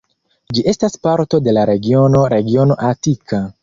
Ĝi estas parto de la regiono regiono Atika.